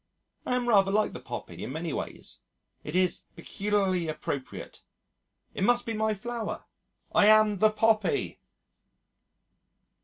I am rather like the poppy in many ways.... It is peculiarly appropriate. It must be my flower! I am the poppy!!